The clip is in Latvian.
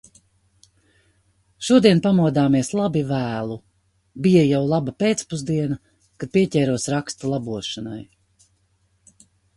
Šodien pamodāmies labi vēlu. Bija jau laba pēcpusdiena, ka pieķēros raksta labošanai.